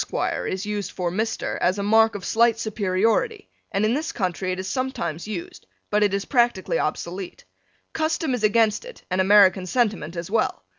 _ is used for Mr. as a mark of slight superiority and in this country it is sometimes used, but it is practically obsolete. Custom is against it and American sentiment as well.